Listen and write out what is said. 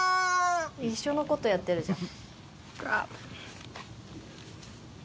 一緒のことやってるじゃん。